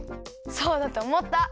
そうだとおもった。